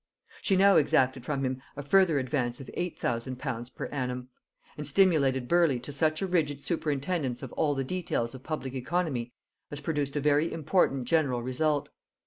She now exacted from him a further advance of eight thousand pounds per annum; and stimulated Burleigh to such a rigid superintendence of all the details of public oeconomy as produced a very important general result.